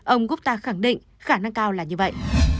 ông gutta khẳng định khả năng cao là như vậy